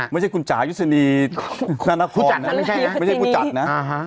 ไม่ใช่คุณจ๋ายศินีคุณผู้จัดอันนั้นไม่ใช่นะไม่ใช่ผู้จัดนะอ่าฮะ